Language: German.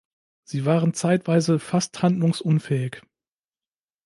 Sie waren zeitweise fast handlungsunfähig.